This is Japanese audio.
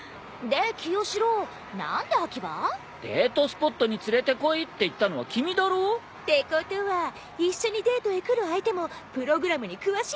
スポットに連れてこいって言ったのは君だろう？ってことは一緒にデートへ来る相手もプログラムに詳しい人なの？